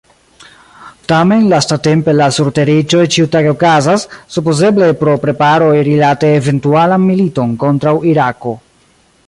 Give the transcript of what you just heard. Tamen lastatempe la surteriĝoj ĉiutage okazas, supozeble pro preparoj rilate eventualan militon kontraŭ Irako.